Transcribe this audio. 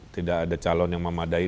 tidak ada calon yang memadai